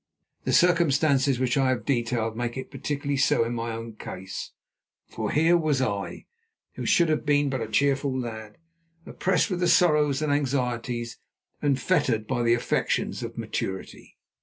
The circumstances which I have detailed made it particularly so in my own case, for here was I, who should have been but a cheerful lad, oppressed with the sorrows and anxieties, and fettered by the affections of maturity.